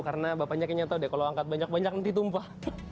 karena bapaknya kayaknya tahu deh kalau angkat banyak banyak nanti tumpah